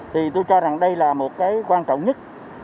thì tôi cho rằng đây là một cái quan trọng nhất